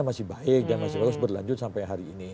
masih baik dan masih terus berlanjut sampai hari ini